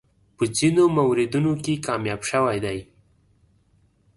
په ځینو موردونو کې کامیاب شوی دی.